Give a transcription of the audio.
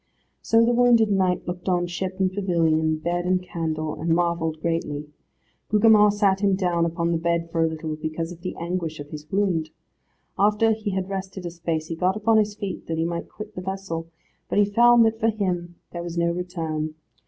So the wounded knight looked on ship and pavilion, bed and candle, and marvelled greatly. Gugemar sat him down upon the bed for a little, because of the anguish of his wound. After he had rested a space he got upon his feet, that he might quit the vessel, but he found that for him there was no return.